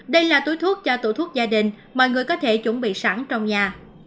đây là túi thuốc cho tủ thuốc gia đình mọi người có thể chuẩn bị sẵn trong nhà